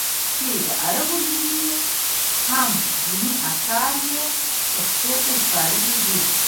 چې د عربي ژبې اهم ديني اثار ئې پښتو ته ژباړلي دي